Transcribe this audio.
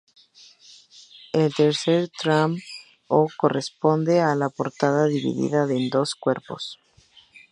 El "tercer tram"o, corresponde a la portada dividida en dos cuerpos.